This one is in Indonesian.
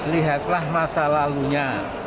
lihatlah masa lalunya